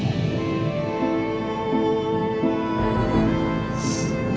aku mau ke rumah